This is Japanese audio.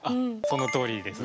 そのとおりです。